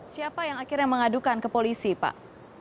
siapa yang akhirnya mengadukan ke polisi pak